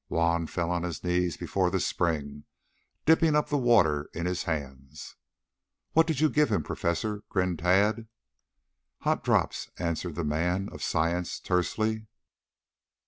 Juan fell on his knees before the spring, dipping up the water in his hands. "What did you give him, professor?" grinned Tad. "Hot drops!" answered the man of science tersely.